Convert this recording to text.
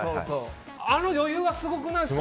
あの余裕がすごくないですか。